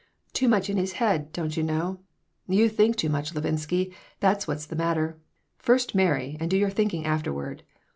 "Too much in his head, don't you know. You think too much, Levinsky. That's what's the matter. First marry, and do your thinking afterward.